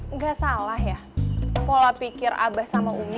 nggak salah ya pola pikir abah sama umi